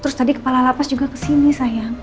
terus tadi kepala lapas juga kesini saya